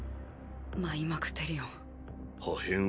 マイマクテリオン。